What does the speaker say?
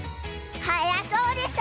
はやそうでしょ！